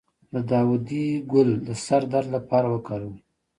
د داودي ګل د سر درد لپاره وکاروئ